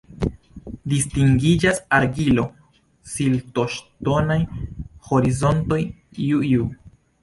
Distingiĝas argilo-siltoŝtonaj horizontoj Ju-Ju.